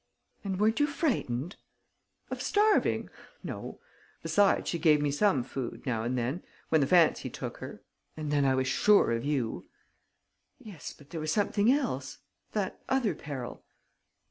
"And weren't you frightened?" "Of starving? No. Besides, she gave me some food, now and then, when the fancy took her.... And then I was sure of you!" "Yes, but there was something else: that other peril...."